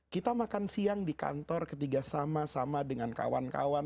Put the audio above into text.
kita makan siang di kantor ketika sama sama dengan kawan kawan